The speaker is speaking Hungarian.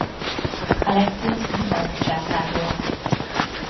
Alexiosz bizánci császár volt.